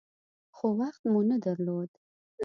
خو وخت مو نه درلود .